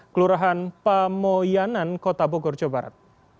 kelurahan pamoyanan kota bogor jawa barat